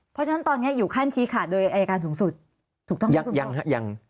เพราะฉะนั้นตอนนี้อยู่ขั้นชี้ขาดโดยอายการสูงสุดถูกต้องยังฮะยัง